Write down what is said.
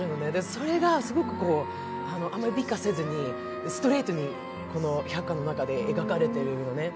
それがすごく、あまり美化せずに、ストレートに「百花」の中で描かれているのね。